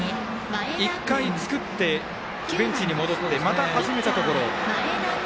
１回作ってベンチに戻ってまた、始めたところ。